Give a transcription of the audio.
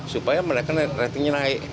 supaya mereka ratingnya naik